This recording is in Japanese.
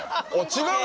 違う。